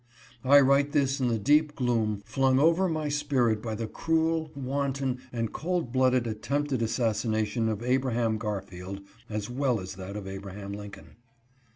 I write this in the deep gloom flung over my spirit by the cruel, wanton, and cold blooded attempted assassination of Abraham Garfield, as well as that of Abraham Lincoln.